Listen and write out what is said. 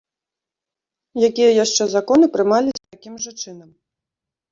Якія яшчэ законы прымаліся такім жа чынам?